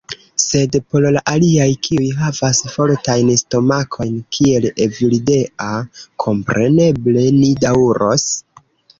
Sed por la aliaj, kiuj havas fortajn stomakojn, kiel Evildea. Kompreneble, ni daŭros.